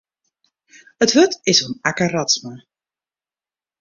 It wurd is oan Akke Radsma.